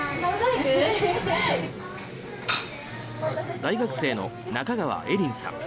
大学生の中川英鈴さん。